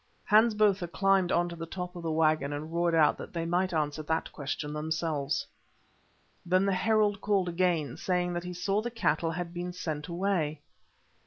Hans Botha climbed on to the top of a waggon and roared out that they might answer that question themselves. Then the herald called again, saying that he saw the cattle had been sent away.